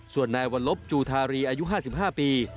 ส่วนนายวัลลบจูทารีอายุ๕๕ปี